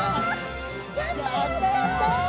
やったやった！